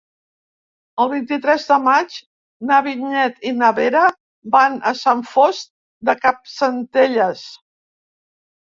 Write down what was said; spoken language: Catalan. El vint-i-tres de maig na Vinyet i na Vera van a Sant Fost de Campsentelles.